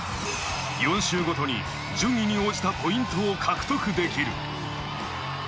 ４周ごとに順位に応じたポイントを獲得できる。